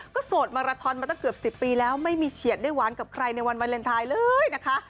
ก็โสดมาราทอนมาตั้งเกือบ๑๐ปีแล้วไม่มีเฉียดได้หวานกับใครในวันวาเลนไทยเลยนะคะ